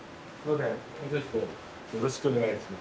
よろしくお願いします。